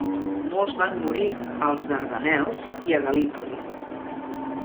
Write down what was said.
Molts van morir als Dardanels i a Gal·lípoli.